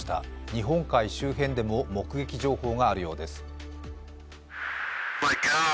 日本海周辺でも目撃情報があるようです。